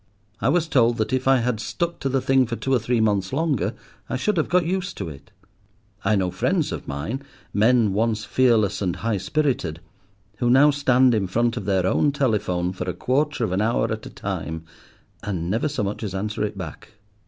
I was told that if I had stuck to the thing for two or three months longer, I should have got used to it. I know friends of mine, men once fearless and high spirited, who now stand in front of their own telephone for a quarter of an hour at a time, and never so much as answer it back.